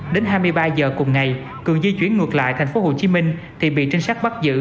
đến hai mươi ba giờ cùng ngày cường di chuyển ngược lại thành phố hồ chí minh thì bị trinh sát bắt giữ